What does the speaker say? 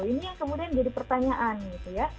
ini yang kemudian jadi pertanyaan gitu ya